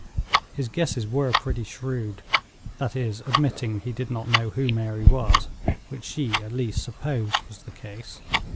His guesses were pretty shrewd; that is, admitting he did not know who Mary was, which she at least supposed was the case.